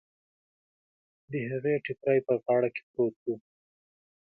د هغې ټکری په غاړه کې پروت و.